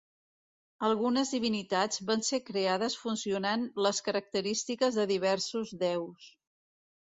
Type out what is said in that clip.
Algunes divinitats van ser creades fusionant les característiques de diversos déus.